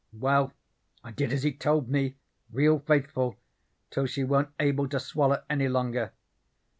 Well, I did as he told me real faithful till she wa'n't able to swaller any longer.